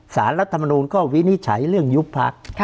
สารรัฐมนุนก็วินิจฉัยเรื่องยุคพรรค